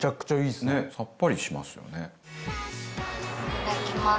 いただきます。